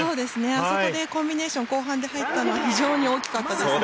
あそこでコンビネーション後半で入ったのは非常に大きかったですね。